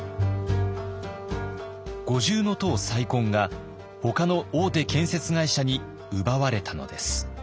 五重塔再建がほかの大手建設会社に奪われたのです。